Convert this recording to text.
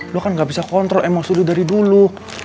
lo kan gak bisa kontrol emosio dari dulu